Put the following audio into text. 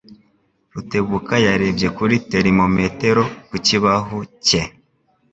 Rutebuka yarebye kuri termometero ku kibaho cye